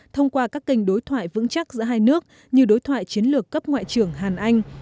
thông qua các kênh đối thoại vững chắc giữa hai nước như đối thoại chiến lược cấp ngoại trưởng hàn anh